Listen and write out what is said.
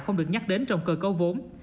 không được nhắc đến trong cơ cấu vốn